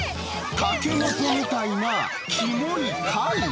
タケノコみたいなきもい貝？